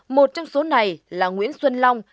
một trong số này là nguyễn xuân long